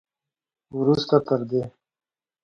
وروسته تر دې